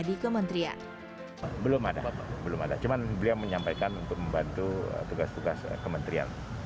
di kementerian belum ada belum ada cuman beliau menyampaikan untuk membantu tugas tugas kementerian